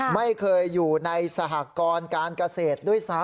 ไม่เคยอยู่ในสหกรการเกษตรด้วยซ้ำ